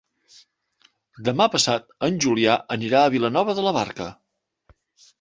Demà passat en Julià anirà a Vilanova de la Barca.